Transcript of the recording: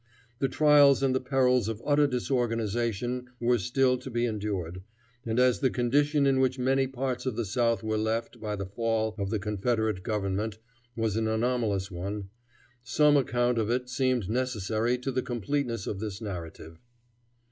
The trials and the perils of utter disorganization were still to be endured, and as the condition in which many parts of the South were left by the fall of the Confederate government was an anomalous one, some account of it seems necessary to the completeness of this narrative.